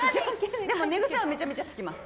でも、寝癖はめちゃめちゃつきます。